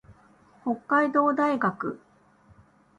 北海道大学